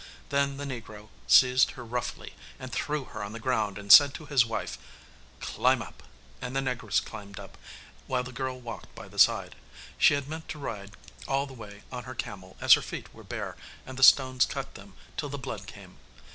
Then the negro seized her roughly and threw her on the ground, and said to his wife, 'Climb up,' and the negress climbed up, while the girl walked by the side. She had meant to ride all the way on her camel as her feet were bare and the stones cut them till the blood came.